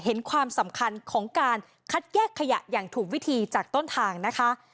เห็นความสำคัญของการคัดแยกขยะอย่างถูกวิธีจากต้นทางนะคะ